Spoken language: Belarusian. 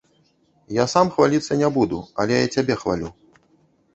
Я сам хваліцца не буду, але я цябе хвалю.